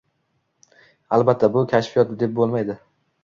Albatta, buni kashfiyot deb bo`lmaydi